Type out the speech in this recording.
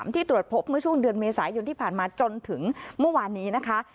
ที่ตรวจพบเมื่อช่วงเดือนเมษายนที่ผ่านมาจนถึงเมื่อวานนี้นะคะ